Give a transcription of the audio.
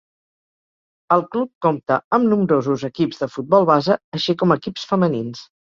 El club compta amb nombrosos equips de futbol base així com equips femenins.